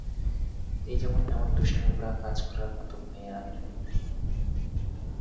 এই যেমন, এমন দুস্টুমি ভরা কাজ করার মত মেয়ে আমি নই?